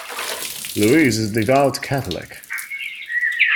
Louise is a devout Catholic.